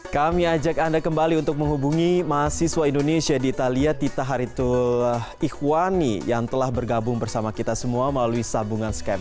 kami ajak anda kembali untuk menghubungi mahasiswa indonesia di italia tita haritul ikhwani yang telah bergabung bersama kita semua melalui sambungan skype